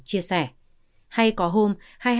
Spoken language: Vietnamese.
chia sẻ hay có hôm